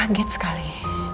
mama kaget sekali